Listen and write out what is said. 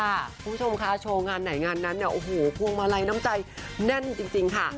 คุณผู้ชมคะโชว์งานไหนงานนั้นเนี่ยโอ้โหพวงมาลัยน้ำใจแน่นจริงค่ะ